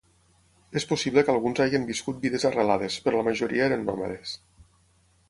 És possible que alguns hagin viscut vides arrelades, però la majoria eren nòmades.